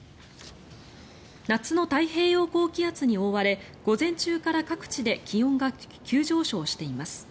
夏の太平洋高気圧に覆われ午前中から各地で気温が急上昇しています。